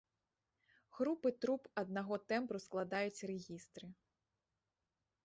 Групы труб аднаго тэмбру складаюць рэгістры.